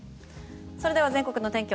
それでは全国のお天気